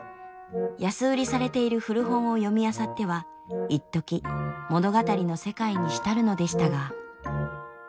安売りされている古本を読みあさってはいっとき物語の世界に浸るのでしたが。